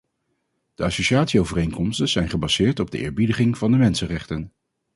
De associatieovereenkomsten zijn gebaseerd op de eerbiediging van de mensenrechten.